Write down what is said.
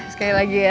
sekali lagi ya